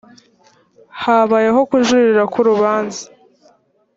habayeho kujuririra kurubanza